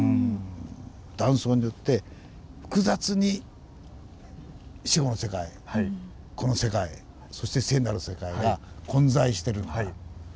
断層によって複雑に死後の世界この世界そして聖なる世界が混在してるんだ。